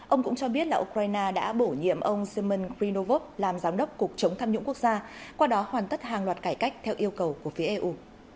ông cũng cho biết là ukraine đã bổ nhiệm ông semen chrinovov làm giám đốc cục chống tham nhũng quốc gia qua đó hoàn tất hàng loạt cải cách theo yêu cầu của phía eu